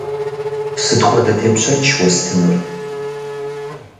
Сыт хуэдэ тепщэч уэстынур?